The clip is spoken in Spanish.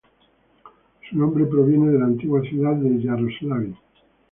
Su nombre proviene de la antigua ciudad de Yaroslavl.